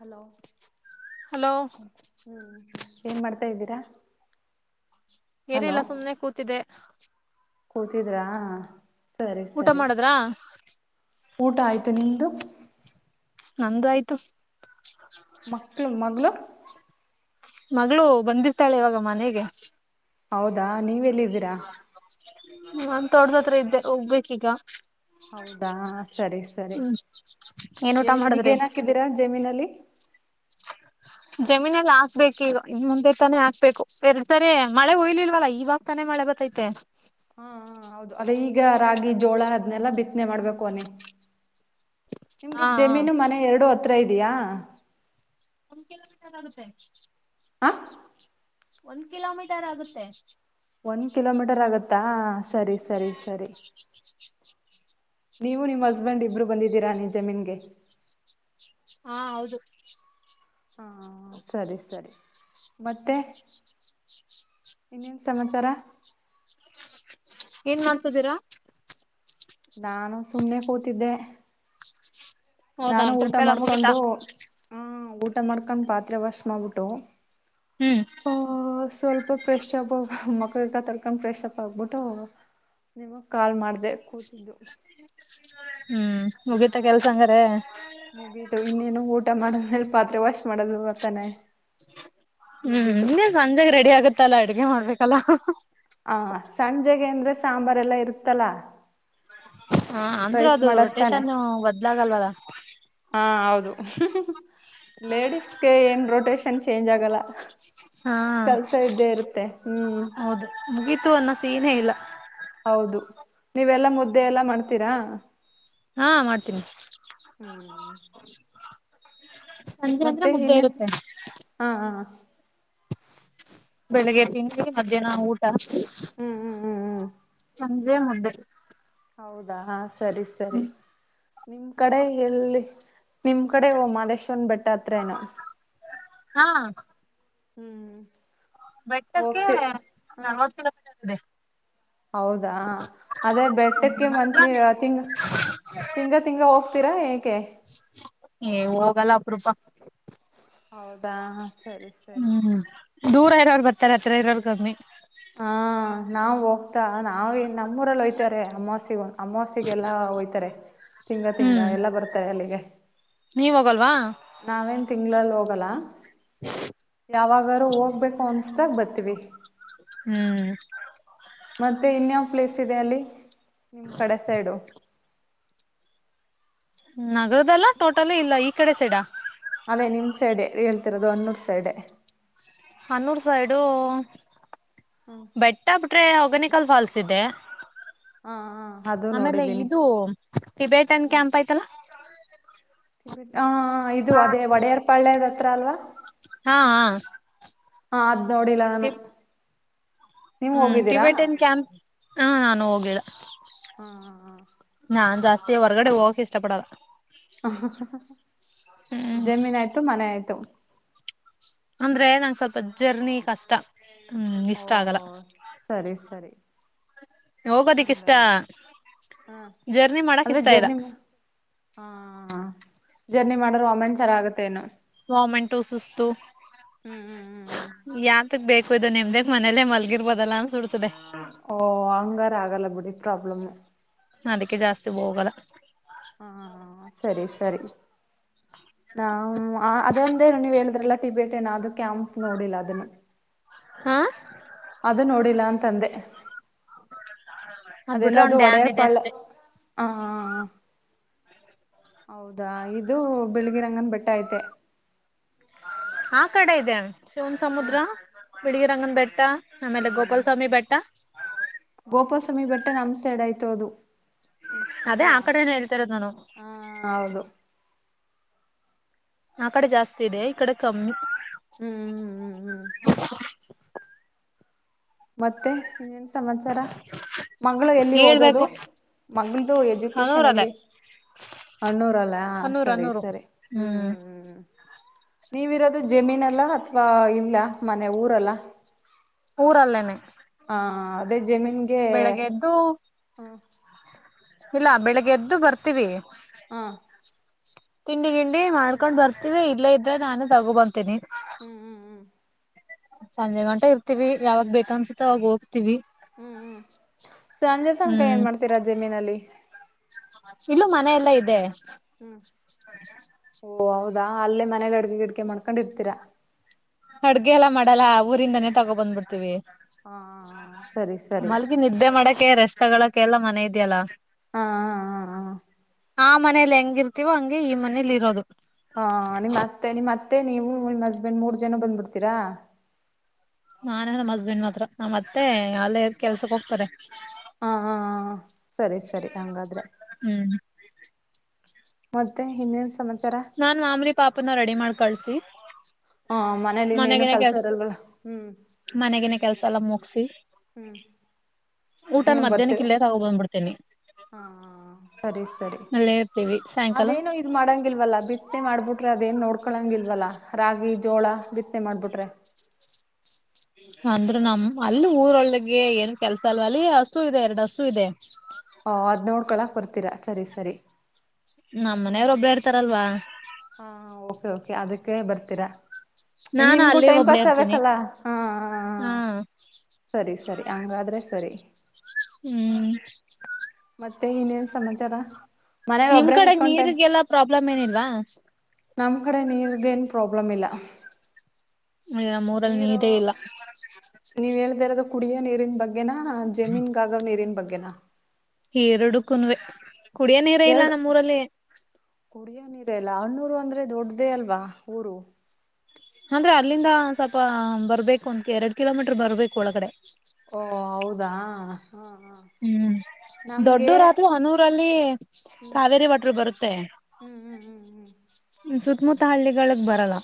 Hello hello ಹ್ಮ [unintelligible] ಏನ್ ಮಾಡ್ತಾದೀರಾ. - ಏನಿಲ್ಲಾ ಸುಮ್ನೆ ಕೂತಿದೆ. ಕೂತಿದ್ರಾ,, ಸರಿ, ಊಟ ಸರಿ ಮಾಡದ್ರಾ ಊಟ ಆಯ್ತು ನಿಮ್ದು- ನಂದು ಆಯ್ತು. - ಮಕ್ಕಳು, ಮಗಳು- ಮಗಳು ಬಂದಿರ್ತಾಳೆ ಇವಾಗ ಮನೆಗೆ. - ಹೌದಾ, ನೀವೆಲ್ಲಿದ್ದೀರಾ ನಾನು ತೊಟಡ್ದತ್ರ ಇದ್ದೆ ಹೋಗ್ಬೇಕ ಈಗ. ಹೌದಾ ಸರಿ ಸರಿ ಹ್ಮ್, ಏನ್ ಊಟ ಈಗ ಮಾಡುದ್ರಿ. ಏನ್ ಹಾಕಿದ್ದೀರಾ ಜಮೀನಲ್ಲಿ ಜಮೀನಲ್ಲಿ ಹಾಕ್ಬೇಕು ಈಗ ಈನ್ ಮುಂದೆ ತಾನೆ ಹಾಕ್ಬೇಕು. ಸರಿ ಸಾರೆ ಮಳೆ ಹೂಯ್ಲಿಲ್ವಲ್ಲ ಇವಾಗತಾನೆ ಮಳೆ ಬರ್ತೈತೆ. ಹಾ, ಹೌದು ಅದೇ ಈಗ ರಾಗಿ ಜೋಳ ಅದನೆಲ್ಲ ಬಿತ್ತನೆ ಮಾಡ್ಬೇಕು ಅನಿ. ನಿಮ್ಗೆ ಹಾ ಹಾ ಜಮೀನು ಮನೆ ಎರಡು ಅತ್ರ ಇದೆಯಾ.. ಒನ್ ಕಿಲೋಮೀಟರ್ ಆಗುತ್ತೆ. ಹ ಒಂದ್ ಕಿಲೋಮೀಟರ್ ಆಗುತ್ತೆ. ಒಂದ್ ಕಿಲೋಮೀಟರ್ ಆಗುತ್ತಾ ಸರಿ ಸರಿ ಸರಿ [unintelligible] ನೀವು ನಿಮ್ಮ್ ಹಸ್ಬೆಂಡ್ ಇಬ್ಬರು ಬಂದಿದ್ದೀರಾ ನಿಮ್ ಜಮೀನ್ ಗೆ ಹಾ ಹೌದು ಹಾ ಸರಿ ಸರಿ ಮತ್ತೆ ಇನ್ನೇನು ಸಮಾಚಾರ ಏನ್ ಮಾಡ್ತಿದೀರಾ ನಾನು ಸುಮ್ನೆ ಕೂತಿದ್ದೆ. ಹೌದಾ ನಾನು ಊಟ ಟ್ರಿಪ್ ಎಲ್ಲ ಮುಗಿತಾ ಮಾಡ್ಕೊಂಡು ಹ್ಮ ಊಟ ಮಾಡ್ಕೊಂಡ್ ಪಾತ್ರೆ ವಾಶ್ ಮಾಡ್ಬಿಟ್ಟು ಹ್ಮ್ ಸ್ವಲ್ಪ ಫ್ರೆಶ್ ಆಂಡ್ ಮಕ್ಕಗಿಕ್ಕ ತೊಳಕೊಂಡ್ ಫ್ರೆಶ್ಪ್ ಆಗ್ಬಿಟ್ಟು ನಿಮ್ಗ ಕಾಲ್ ಮಾಡ್ದ್ ಹ್ಮ್ ಮುಗೀತ ಕೆಲಸ ಹಂಗಾರೆ ಮುಗಿತು ಇನ್ನೇನು ಊಟ ಮಾಡದ್ ಮೇಲ್ ಪಾತ್ರೆ ವಾಶ್ ಮಾಡೋದು ತಾನೆ ಹ್ಮ್ ಇನ್ನೆನ್ ಸಂಜಾಗೆ ರೆಡಿ ಆಗುತ್ತಲ್ಲಾ ಅಡುಗೆ ಮಾಡ್ಬೇಕಲ್ಲ. ಹಹ ಹ ಸಂಜೆಗೆ ಅಂದ್ರೆ ಸಾಂಬಾರ್ ಎಲ್ಲಾ ಇರುತ್ತಲ್ಲ ಹಾ ಅಂದ್ರೂ ರೈಸ್ ಅದು ಮಾಡೋದು ತಾನೆ ರೊಟೇಶನ್ ಬದ್ಲಾಗಲ್ವಲ್ಲ ಹಾ ಹೌದು ಹ್ಮ್ ಹ್ಮ್ ಲೇಡಿಸಗೆ ಏನ್ ರೋಟೇಶನ್ ಚೇಂಜ್ ಆಗಲ್ಲ. ಹಾ ಕೆಲ್ಸ ಇದ್ದೇ ಇರುತ್ತೆ ಹ್ಮ್ ಹೌದು ಮುಗಿತ್ತು ಅನ್ನೋ ಸೀನೆ ಇಲ್ಲ ಹೌದು ನೀವೆಲ್ಲಾ ಮುದ್ದೆ ಎಲ್ಲಾ ಮಾಡ್ತೀರಾ? ಹಾ ಮಾಡ್ತೀನಿ. ಸಂಜೆ ಅಂದ್ರೆ ಮತ್ತೆ ಮುದ್ದೆ ಏನ್ ಇರುತ್ತೆ ಹಾ ಹಾ ಬೆಳಿಗ್ಗೆ ತಿಂಡಿ ಮಧ್ಯಾಹ್ನ ಊಟ ಹ್ಮ್ ಹ್ಮ್ ಹ್ಮ್ ಹ್ಮ್ ಸಂಜೆ ಮುದ್ದೆ ಹೌದಾ ಸರಿ ಸರಿ ನಿಮ್ ಕಡೆ ಎಲ್ಲಿ ನಿಮ್ ಕಡೆ ಮಾದೇಶ್ವರನ ಬೆಟ್ಟ ಹತ್ರ ಏನೋ ಹಾ ಹ್ಮ್ ಬೆಟ್ಟಕ್ಕೆ ಹೋಗ್ತಿ ಹ ನಲವತ್ತು ಕಿಲೋಮೀಟರ್ ಇದೆ. ಹೌದಾ ಅದೇ ಬೆಟ್ಟಕ್ಕೆ ಮಂತ್ಲಿ ಹತ್ರನೇ ತಿಂಗ ತಿಂಗಳ ತಿಂಗಳ ಹೋಗ್ ತ್ತೀರ ಹೆಗ್ ಏ ಹೋಗಲ್ಲ ಅಪರೂಪ. ಹೌದಾ ಸರಿ ಸರಿ ಹ್ಮ್ ದೂರ ಇರೋರು ಬರ್ತಾರೆ ಹತ್ತಿರ ಇರೋರು ಕಮ್ಮಿ ಹಾ ನಾವ್ ಹೋಗ್ತಾ ನಾವೇ ನಮ್ಮೂರಲ್ಲಿ ಹೋಯ್ತಾರೆ ಅಮವಾಸ್ಯೆಗ್ ಅಮಾವಾಸ್ಯೆಗೆಲ್ಲ ಹೊಯ್ತಾರೆ ತಿಂಗಳ ತಿಂಗಳ ಹ್ಮ್ ಎಲ್ಲ ಬರ್ತಾರೆ ಅಲ್ಲಿಗೆ. ನೀವ್ ಹೋಗಲ್ವಾ ನಾವೇನ್ ತಿಂಗಳಲ್ಲಿ ಹೋಗಲ್ಲ. [unintelligible] ಯಾವಾಗಾರೂ ಹೋಗ್ಬೇಕು ಅನ್ಸದಾಗ ಬತ್ತೀವಿ. ಹ್ಮ್ ಮತ್ತೆ ಇನ್ಯಾವ್ ಪ್ಲೇಸ್ ಇದೆ ಅಲ್ಲಿ ನಿಮ್ ಕಡೆ ಸೈಡು ನಗರದಲ್ಲಾ ಟೋಟಲ್ಲ ಇಲ್ಲಾ ಈ ಕಡೆ ಸೈಡಾ. ಅದೇ ನಿಮ್ ಸೈಡ್ ಹೇಳ್ತಿರೋದು ಹನ್ನೂರ್ ಸೈಡೆ ಹನ್ನೂರ್ ಸೈಡು ಹ್ಮ ಬೆಟ್ಟ ಬಿಟ್ರೆ ಹೊ ಗನಿಕಲ್ ಫಾಲ್ಸ್ ಇದೆ. ಹ ಹ ಅದು ಆಮೇಲೆ ನೋಡಿದ್ದೀನಿ ಇದು ಟಬೆಟನ್ ಕ್ಯಾಂಪ್ ಆಯ್ತಲ್ಲ ಹ ಇದು ಅದೇ ಒಡೆಯರ್ ಪಳ್ಯದ್ ಹತ್ರ ಅಲ್ವಾ. ಹಾ ಹಾ ಅದ್ ನೋಡಿಲ್ಲ ನಾನು ನೀವ್ ಹ್ಮ್ ಹೋಗಿದ್ದೀರಾ ತಿವೇಟೆನ್ ಕ್ಯಾಂಪ್ ಹಾ ನಾನು ಹೋಗಿಲ್ಲ ಹ ಹ ಹ ನಾನ್ ಜಾಸ್ತಿ ಹೊರ್ಗಡೆ ಹೋಗಕೆ ಇಷ್ಟ ಪಡಲ್ಲ ಹ್ಮ್ ಜಮೀನ್ ಆಯ್ತು ಮನೆ ಆಯ್ತು ಅಂದ್ರೆ ನಂ ಸ್ವಲ್ಪ ಜರ್ನಿ ಕಷ್ಟ ಹ್ಮ್ ಓ ಇಷ್ಟ ಆಗಲ್ಲ ಸರಿ ಸರಿ ಹೋಗೋದಿಕ್ ಇಷ್ಟ ಹಂಗಾದ್ರೆ ಹ್ಮ ಜರ್ನಿ ಮಾಡಕ್ ಅಂದ್ರೆ ಇಷ್ಟ ಇಲ್ಲ ಜರ್ನಿ ಹಾ ಜರ್ನಿ ಮಾಡ್ರ ವಿಮೆಟ ಚರ ಆಗತ್ತೆ ನು ವಮೆಂಟು ಸುಸ್ತು ಹ್ಮ್ ಹ್ಮ್ ಹ್ಮ್ ಹ್ಮ್ ಯ ತ್ತಕ್ ಬೇಕು ಇದು ನಿಮ್ದಕ್ ಮನೇಲೆ ಮಲ್ಗಿರ್ಬೋದಲ್ಲ ಅನ್ಸುಡ್ತದೆ ಓ ಹಂಗಾರ ಆಗಲ್ಲ ಬಿಡಿ ಪ್ರಾಬ್ಲಮ್ ಅದಕ್ಕೆ ಜಾಸ್ತಿ ಹೋಗಲ್ಲ ಹಾ ಸರಿ ಸರಿ ನಾ ಅದಂದೇನು ನೀವ್ ಹೇಳಿದ್ರಲ್ಲ ಟಿಬೇಟ್ ಏನೂ ಕ್ಯಾಂಪ್ ನೋಡಿಲ್ಲ ಅದನ್ನು ಹ್ಮ ಅದು ನೋಡಿಲ್ಲ ಅಂತಂದೆ ಅದ್ ಅದೆ ಬಿಟ್ರೆ ಎಲ್ಲಾದೂ ಒಂದ್ ಡ್ಯಾಮ್ ಒಡೆಯರ್ ಇದೆ ಪಾಳ ಅಷ್ಟೇ ಹ ಹೌದಾ ಇದು ಬೆಳಗಿ ರಂಗನ್ ಬೆಟ್ಟ ಐತೆ ಆ ಕಡೆ ಇದದೆ ಶಿವನ್ ಹಾ ಸಮುದ್ರ ಬಿಳಗಿರಂಗನ್ ಬೆಟ್ಟ ಆಮೇಲೆ ಗೋಪಾಲಸ್ವಾಮಿ ಬೆಟ್ಟ ಗೋಪಸ್ವಾಮಿ ಬೆಟ್ಟ ನ ಹಂಸ ಎಡಾಯಯ್ತ ಹದು ಹ್ಮ ಅದೇ ಹಂಗ್ಗಳ ಆ ಕಡೆನೆ ಹೇಳ್ತಾ ಇರೋದು ನಾನು ಹಾ ಹೌದು ಆ ಕಡೆ ಜಾಸ್ತಿ ಇದೆ ಈ ಕಡೆ ಕಮ್ಮಿ ಹ್ಮ್ ಹ್ಮ್ ಹ್ಮ್ ಹ್ಮ್ ಮತ್ತೆ ಇನ್ನೇನ್ ಸಮಾಚಾರ ಮಂಗಳ ಎಲ್ಲಿ ಓದೋದು ಹೇಳ್ಬೇಕು ಮಂಗಗಳ್ದ ಎಜುಕೇಶನ್ ಹನೂರಲ್ಲೇ ಎಲ್ಲಿ ಅಣ್ಣ ರ ಅಲ್ಲ ಹ ಹನೂರ್ ಸರಿ ಹನೂರು ಸರಿ ಹ್ಮ್ ಹ್ಮ್ ಹ್ಮ್ ನೀವಿರೋದು ಜಮೀನ್ಲ್ಲ ಅಥವಾ ಇಲ್ಲ ಮನೆ ಊರಲ್ಲ ಊರಲ್ಲೇನೆ ಹಾ ಅದೇ ಜಮೀನ್ಗೆ ಬೆಳಗ್ಗೆ ಎದ್ದು ಹ ಇಲ್ಲ ಬೆಳಿಗ್ ಎದ್ದು ಬರ್ತೀವಿ ಹ್ಮ್ ತಿಂಡಿ ತಿಂಡಿ ಮಾಡ್ಕೊಂಡ್ ಬರ್ತೀವಿ ಇಲ್ಲೇ ಇದ್ರೆ ನಾನೇ ತಗೋಬಂತೀನಿ ಹ್ಮ್ ಹ್ಮ್ ಹ್ಮ್ ಸಂಜೆ ಗಂಟೆ ಇರ್ತಿವಿ ಯಾವಾಗ ಬೇಕನ್ಸುತ್ತೆ ಅವಾಗ ಹೋಗ್ತೀವಿ ಹ್ಮ್ ಹ್ಮ್ ಸಂಜೆ ಸಂನಕಾಯ ಹ್ಮ್ ಏನ್ ಮಾಡ್ತೀರಾ ಜಮೀನಲ್ಲಿ ಇಲ್ಲೂ ಮನೆ ಎಲ್ಲಾ ಇದೆ ಹ್ಮ್ ಓ ಹೌದಾ ಅಲ್ಲೇ ಮನೆ ಗಡಗೆ ಗಡಿಕೆ ಮಾಡ್ಕೊಂಡಿರ್ತೀರಾ ಅಡುಗೆ ಎಲ್ಲ ಮಾಡಲ್ಲ ಊರಿಂದಾನೇ ತಗೊ ಬ್ಬ ಬಿಡ್ತೀವಿ ಹ ಸರಿ ಸರಿ ಮಲ್ಗಿ ನಿದ್ದೆ ಮಾಡಕ ರೆಷ್ಟಗಳಕ ಎಲ್ಲ ಮನೆ ಇದೆಯಲ್ಲ ಹಾ ಹಾ ಹಾ ಹಾ ಆ ಮನೇಲಿ ಹೆಂಗ ಇರ್ತಿವೋ ಹಂಗೆ ಈ ಮನೇಲಿ ಇರೋದು ಹಾ ನಿಮ್ಮ ಅತ್ತೆ ನಿಮ್ತ್ತೆ ನೀವು ನಿಮ್ಮ್ ಹಸ್ಬೆಂಡ್ ಮೂರ್ ಜನ ಬಂದ್ಬಿಡ್ತೀರಾ ನಾನೇ ನಮ್ ಹಸ್ಬೆಂಡ್ ಮಾತ್ರ ನಮ್ಮಅತ್ತೆ ಅಲ್ಲೇ ಕೆಲ್ಸಕ್ ಹೋಗ್ತಾರೆ ಹಾ ಹ ಸರಿ ಸರಿ ಹಾಗಂಗಾದ್ರೆ ಹ್ಮ್ ಮತ್ತೆ ಇನ್ನೆನ್ ನಾನ್ ಮಾಮನ ಪಾಪನ ರೆಡಿ ಮಾಡ್ ಕಳ್ಸಿ ಹಾ ಮನೇಲಿ ಇನ್ನೇಏನು ಕೆಲ್ಸ ಇರಲ್ವಲ್ಲ ಹ್ಮ್ ಮನೆಗನೆ ಕೆಲ್ಸ ಎಲ್ಲ ಮುಗಸಿ ಹ್ಮ್ ಊಟನ ನೀವು ಮಧ್ಯಾಹ್ನ ಬರ್ತೀರ ಕಿಲ್ಲೇದಗ್ ಬಂದ್ಬಿಡ್ತೇನಿ ಹ ಸರಿ ಸರಿ ಅಲ್ಲೇ ಇರ್ತೀವಿ ಸಾಯಂಕಾಲ ಅದೇನೋ ಇ ಮಾಡಂಗಲ್ವಲ್ಲ ಬಿಟ್ಟನೆ ಮಾಡ್ಬಿಟ್ಟ ಅದೇನ್ ನೋಡ್ಕೊಳಂಗಿಲ್ವಲ್ಲ ರಾಗಿ ಜೋಳ ಬಿತ್ತನೆ ಮಾಡ್ಬಿಟ್ರೆ ಅಂದ್ರೆ ನಮ ಅಲ್ಲಿ ಊರಳ್ಳಗೆ ಏನ್ ಕೆಲ್ಸ ಅಲ್ವಾ ಅಲ್ಲಿ ಹಸು ಇದೆ ಎರಡುಸು ಇದೆ ಮಕ್ಕಳ ಕೊಡ್ತೀರಾ ಸರಿ ಸರಿ ನಮ್ಮ ಹ್ಮ್ ಮನೆಯವ್ರೊಬ್ಬ್ರ ಇರ್ತಾರಲ್ವಾ ಕೆ ಅದಕ್ಕೆ ಬರ್ತೀರಾ ನಾನು ನಿಮ್ಗೂ ಅಲ್ಲಿ ಟೈಮ್ ಒಬ್ಳೇ ಪಾಸ್ ಇರ್ತೀನಿ ಆಗ್ಬೇಕಲ್ಲ ಹಾ ಹ ಹಾ ಸರಿ ಸರಿ ಹಂಗಾದ್ರೆ ಸರಿ ಹ್ಮ್ ಮತ್ತೆ ಇನೇನ್ ಸಮಾಚಾರ ಮನೇಲಿ ನಿಮ್ ಒಬ್ಬ್ರೇ ಕಡೆ ಕುೂತ್ಕೊಂಡ್ ಟೈಮ್ ನೀರಿಗೆಲ್ಲ ಪ್ರಾಬ್ಲಮ್ ಏನಿಲ್ವಾ ನಮ್ ಕಡೆ ನೀರ್ಗ ಏನ್ ಪ್ರಾಬ್ಲಮ್ ಇಲ್ಲ ನಮ್ಮ್ ಊರಲ್ಲಿ ನೀರು ನೀರೇ ಇಲ್ಲ ನೀವ ಹೇದಿರೋದ ಕುಡಿಯ ನೀರಿನ್ ಬಗ್ಗೆನಾ ಜಮೀನ್ ಗಾಗವ್ ನೀರಿನ್ ಬಗ್ಗೆನಾ ಹರಡು ಕನ್್ವೆ ಕುಡಿಯ ನೀರ ಇಲ್ಲ ನಮ್ಮೂರಲ್ಲಿ ಕುಡಿಯ ನೀರ ಎಲ್ಲ ಹಣ್ಣೂರು ಅಂದ್ರೆ ದೊಡ್ಡ್ದೇ ಅಲ್ವಾ ಊರು ಅಂದ್ರೆ ಅಲ್ಲಿಂದ ಸ್ವಲ್ಪ ಬರ್ಬೇಕು ಒಂದ ಎರಡ್ ಕಿಲೋಮೀಟರ್ ಬರ್ಬೇಕು ಒಳಗಡೆ ಓ ಹೌದಾ ಹಾ ಹಾ ಹ್ಮ್ ದೊಡ್ಡೂರಾದೂ ಹನೂರಲ್ಲಿ ಹ್ಮ್ ಕಾವೇರಿ ವಾಟರ್ ಬರುತ್ತೆ ಹ್ಮ್ ಹ್ಮ್ ಹ್ಮ್ ಹ್ಮ್ ಸುತ್ತಮುತ್ತ ಹಳ್ಳಿಗಳಿಗೆ ಬರಲ್ಲ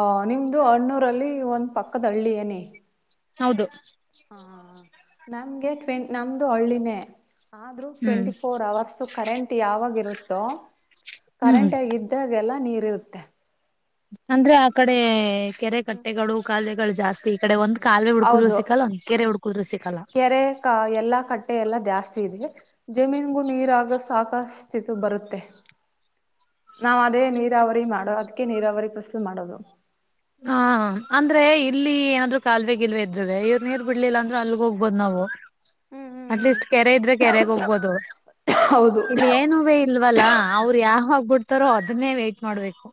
ಹ ನಿಮ್ದು ಹಣ್ಣೂರಲ್ಲಿ ಒಂದ್ ಪಕ್ಕದ ಹಳ್ಳಿ ಏನ ಹೌದು ಹಾ ನಮ್ಗೆ ಟ್ವೆಂ ನಮ್ದು ಹಳ್ಳಿನೇ ಆದ್ರೂ ಹ್ಮ್ ಟ್ವೆಂಟಿ ಫೋರ್ ಅವರ್ಸ್ ಕರೆಂಟ್ ಯಾವಾಗ ಇರುತ್ತೋ ಹ್ಮ್ ಕರೆಂಟ್ ಆಗ ಇದ್ದಾಗೆಲ್ಲ ನೀರ್ ಇರುತ್ತೆ ಅಂದ್ರೆ ಆ ಕಡೆ ಕೆರೆ ಕಟ್ಟೆಗಳು ಕಖಾಲಲೆಗಳು ಜಾಸ್ತಿ ಈ ಕಡೆ ಒಂದು ಕಾಲುವೆ ಹುಡ್ಕುದ್ರು ಹೌದು ಸಿಕ್ಕಲ್ಲ ಅಂಕೇರೆ ಹುಡ್ಕುದ್ರು ಸಿಕ್ಕಲ್ಲ ಕೆರೆ ಕ ಎಲ್ಲಾ ಕಟ್ಟೆ ಎಲ್ಲಾ ಜಾಸ್ತಿ ಜಮೀನ್ಗೂ ನೀರಾಗ ಸಾಕಷ್ಟ್ಿತು ಬರುತ್ತೆ ನಾವ ಅದೇ ನೀರಾವರಿ ಮಾಡೋ ಅದಕ್ಕೆ ನೀರಾವರಿ ಕಸಲು ಮಾಡೋದು ಹಾ ಅಂದ್ರೆ ಇಲ್ಲಿ ಏನಾದ್ರು ಕಾಲುವೆ ಗಿಲ್ವೆ ಇದ್ವೆ ಇವ್ ನೀರ್ ಬಿಡ್ಲಿಲ್ಲ ಅಂದ್ರರು ಅಲ್ಗ್ ಹೋಗ್ಬೋದ್ ನಾವು ಹ್ಮ್ ಹ್ಮ್ ಹ್ಮ್ ಅಟ್ಲೀಸ್ಟ್ ಕೆರೆ ಇದ್ರೆ ಕೆರೆಗೆ ಹೋಗ್ಬೋದು ಹೌದು ಇಲ್ಲಿ ಏನುುವೇ ಇಲ್ವಲ್ಲಾ ಅವ್ರು ಯಾವಾಗಬಿಡ್ತಾರೋ ಅದನ್ನೇ ವೇಟ್ ಮಾಡ್ಬೇಕು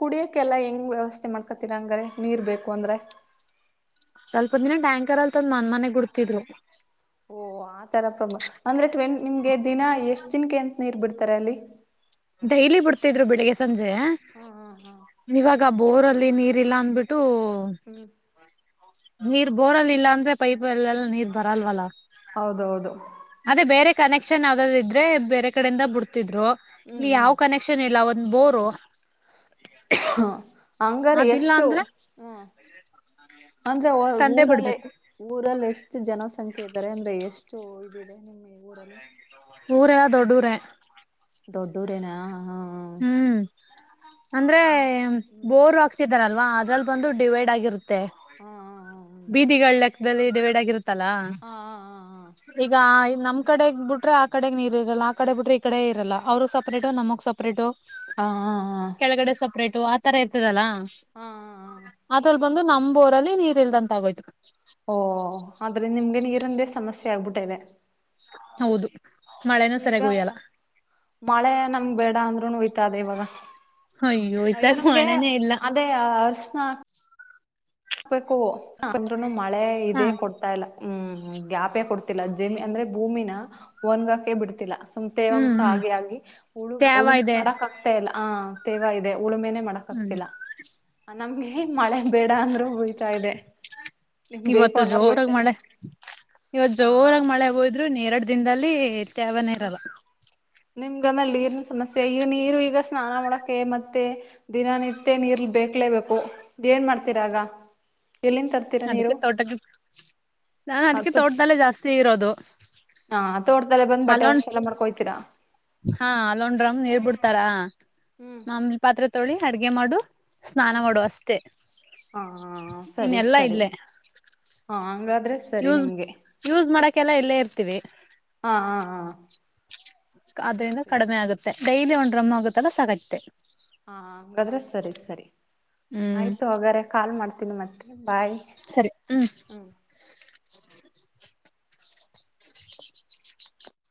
ಕುಡಿಯಕ್ಕೆೆಲ್ಲಾ ಹೆಂಗ ವ್ಯವಸ್ಥೆ ಮಾಡ್ಕೊತೀರ ಹಂಗ್ರ ನೀರ್ ಬೇಕು ಅಂದ್ರೆ ಸ್ವಲ್ಪ ದಿನ ಟ್ಯಾಂಕರ್ ಅಲ್ ತಂದ್ ಮನ್ ಮನೆಗ್ ಗುಡ್ತಿದ್ರು ಓಹ ಆ ತರ ಪ್ರಮ ಅಂದ್ರೆ ಟ್ವೆನ್ ನಿಮ್ಗೆ ದಿನ ಎಷ್ಟ್ ದಿನಕ್ಕೆ ಎಂತ ನೀರ್ ಬಿಡ್ತಾರೆ ಅಲ್ಲಿ ಡೈಲಿ ಬಿಡ್ತಿದ್ರು ಬೆಳಿಗ್ ಸಂಜೆ ಹ್ಮ್ ಹ್ಮ್ ಹ್ಮ್ ಇವಾಗ ಬೋರ್ಲ್ಲಿ ಲ್ಲಿ ನೀರ್ ಇಲ್ಲ ಅಂದ್ಬಿಟ್ಟು ಹ್ಮ್ ನೀರ್ ಬೋರ್ಲ್ಲಿ ಇಲ್ಲ ಅಂದ್ರೆ ಪೈಪ್ ಎಲ್ಲೆಲ್ಲ ನೀರ್ ಬರಲ್ವಲ್ಲ ಹೌದೌದು ಅದೇ ಬೇರೆ ಕನೆಕ್ಷನ್ ಯಾವ್ದ ಇದ್ರೆ ಬೇರೆ ಕಡೆಯಿಂದ ಬಿಡ್ತಿದ್ರು ಇಲ್ಲಿ ಹ್ಮ್ ಯಾವ್ ಹ್ಮ್ ಕನೆಕ್ಷನ್ ಇಲ್ಲ ಅವ ಬೋರು ಹ್ಮ ಹಂಗಾರ ಅದಿಲ್ಲ ಎಷ್ಟು ಅಂದ್ರೆ ಹ್ಮ್ ಅಜ್ರೆ ತಂದೆ ಊರಲ್ಲೇ ಬಿಡ್ಬೇಕು ಊರಲ್ಲ ಎಷ್ಟ ಹೆಚ್ಚು ಜನಸಂಖ್ಯೆ ಇದ್ದಾರೆ ಅಂದ್ರೆ ಎಷ್ಟು ಇದದೆ ನಿಮ್ಮ್ ಊರಲ್ಲಿ ಊರೆಲ್ಲ ದೊಡ್ಡೂರ ದೊಡ್ಡೂರೇನಾ ಹಾ ಹ್ಮ್ ಅಂದ್ರೆ ಹ ಹ್ಮ್ ಬೋರ್ ಹಾಕ್ಸಿದಾರಲ್ವಾ ಅದ್ರಲ್ಲಿ ಬಂದು ಡಿವೈಡ್ ಆಗಿರುತ್ತೆ ಹಾ ಮ ಹಾ ಬೀದಿಗಳ ಲೆಕ್ಕದಲ್ಲಿ ಇಡಬೇಡ ಆಗರುತ್ತೆ ಹಾ ಹಾ ಈ ನಮ್ ಕಡೆಗ್ ಬಿಟ್ರೆ ಆ ಕಡೆಗ್ ನೀರ್ ಇರಲ್ಲ ಆ ಕಡೆ ಬಿಟ್ರೆ ಈ ಕಡೆ ಇರಲ್ಲ ಅವ್ರರು ಸಪರೇಟು ನಮ ಸಪರೇಟು ಹಾ ಹಾ ಹಾ ಹಾ ಕೆಳಗಡೆ ಸಪ್ರೇಟು ಆ ತರ ಇತದಲ್ಲಾ ಹಾ ಹಾ ಅದ್ರಲ್ಲಿ ಬಂದು ನಮೋರಲ್ಲಿ ನೀರ್ ಇಲ್ದಂತ ಆಗೋಯ್ತು ಓ ಆದ್ರೆ ನಿಮ್ಗೆ ನೀರಂದೇ ಸಮಸ್ಯೆ ಆಗ್ಬಿಟ್ಟ ಇದೆ ಹೌದು ಮಳೆನೂ ಈಗ ಸರಿಯಾಗಿ ಉಯ್ಯಲ್ಲ ಮಳೆ ನಮ್ ಬೇಡ ಅಂದ್ರು ಉಯ್ತಾ ಅದೇ ಇವಾಗ ಅಯ್ಯೋ ಇತ್ತಾಗ ನಮ್ಗೆ ಮಳೆನೇ ಇಲ್ಲ ಅದೇ ಅರ್ಶನಾ ಹಾಕ್ಬೇಕು ಹಾಕಂದ್ರುನು ಮಳೆ ಹಾ ಇದೇ ಕೊಡ್ತಾ ಇಲ್ಲ ಹ್ಮ್ ಗ್ಯಾಪೆ ಕೊಡ್ತಿಲ್ಲ ಜಮಿ ಅಂದ್ರೆ ಭೂಮಿನ ಒನ್ಗಕೆ ಬಿಡ್ತಿಲ್ಲ ಹ್ಮ್ ತೇವಾಂಸ ಹ್ಮ್ ಹಾಗೆ ಆಗಿ ಉಳು ತ್ಯಾವ ಉಳುಮೆ ಇದೆ ಮಾಡಕ್ ಆಗ್ತಾ ಇಲ್ಲ ಆ ತೇವಾ ಇದೆ ಉಳುಮೆನೆ ಮಾಡಕ್ ಹ್ಮ್ ಆಗ್ತಿಲ್ಲ ನಮ್ಗೆ ಮಳೆ ಬೇಡ ಅಂದ್ರು ಉಯ್ತಾ ಇದೆ ನಿಮ್ ಬೇಕು ಇವತ್ತು ಅನ್ನೋರ್ಗ್ ಜೋರಾಗ ಬಯ್ತಾ ಇಲ್ಲ. ಮಳೆ ಇವತ್ ಹಾ ಜೋರಾಗ ಮಳೆ ಹಾ ಹೋದ್ರು ಎರಡು ದಿನದಲ್ಲಿ ತ್ಯಾವನೇ ಹ ಇರಲ್ಲ ನಿಮ್ಗ ನಲ್ಲಿ ಸಮಸ್ಯೆ ಈಗ ನೀರು ಈಗ ಸ್ನಾನ ಮಾಡಕೆ ಮತ್ತೆ ದಿನನಿತ್ಯ ನೀರ್ ಬೇಕ್ಲೇಬೇಕು ಏನ್ ಮಾಡ್ತೀರಾಗ ಎಲ್ಲಿಂದ ತರ್ತೀರಾ ನೀರು ಅದಕ್ಕೆ ತೋಟಕ್ಕೆ ನಾನ್ ಅದಕ್ಕೆ ತೋಟದಲ್ಲೇ ಜಾಸ್ತಿ ಇರೋದು ಹಾ ತೋಟದಲ್ಲೆ ಬಂದ್ ಬಟ್ಟೆ ಅಲ್ಲೊಂದ್ ವಾಶ್ ಎಲ್ಲ ಮಾಡ್ಕೊಯ್ತೀರಾ ಹಾ ಅಲ್ಲೊಂಡ್ರಮ್ ನೀರ್ಬಿಡ್ತಾರ ಹ್ಮ್ ಮಾಮಲಿ ಪಾತ್ರೆ ತೊಳಿ ಅಡ್ಗೆ ಮಾಡು ಸ್ನಾನ ಹ್ಮ್ ಮಾಡುವ ಅಷ್ಟೆ ಹಾ ಇನ್ನ ಸರಿ ಎಲ್ಲಾ ಸರಿ ಇಲ್ಲೇ ಹಾ ಹಂಗಾದ್ರೆ ಸರಿ ಯೂಸ್ ನಿಮ್ಗೆ ಯೂಸ್ ಮಾಡಕೆಲ್ಲ ಇಲ್ಲೇ ಇರ್ತೀವಿ ಹಾ ಹಾ ಹಾ ಅದ್ರಿಂದ ಸರಿ ಕಡಿಮೆ ಆಗುತ್ತೆ ಡೈಲಿ ಒಂದು ಡ್ರಮ್ಮ್ ಹೋಗುತ್ತಲ್ಲ ಸಾಕತ್ತೆ ಹಾ ಹಾಗಂಗಾದ್ರೆ ಸರಿ ಸರಿ ಹ್ಮ್ ಆಯ್ತು ಹಾಗಾರೆ ಕಾಲ್ ಮಾಡ್ತೀನಿ ಮತ್ತೆ ಬಾಯಿ ಹ್ಮ್ ಹೌ